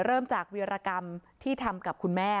เริ่มจากวิรกรรมที่ทำกับคุณแม่